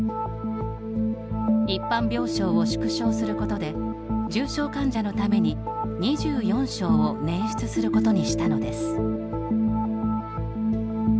一般病床を縮小することで重症患者のために２４床を捻出することにしたのです。